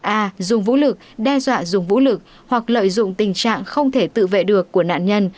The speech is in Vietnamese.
a dùng vũ lực đe dọa dùng vũ lực hoặc lợi dụng tình trạng không thể tự vệ được của nạn nhân